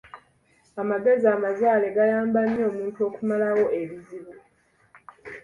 Amagezi amazaale gayamba nnyo omuntu okumalawo ebizibu.